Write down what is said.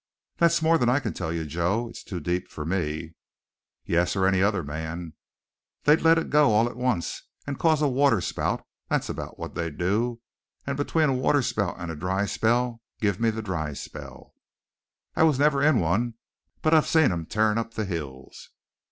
"That's more than I can tell you, Joe. It's too deep for me." "Yes, or any other man. They'd let it go all at once and cause a waterspout, that's about what they'd do, and between a waterspout and a dry spell, give me the dry spell!" "I never was in one, but I've seen 'em tearin' up the hills."